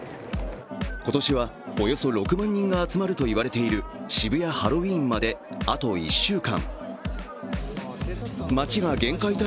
今年はおよそ６万人が集まるといわれている渋谷ハロウィーンまであと１週間。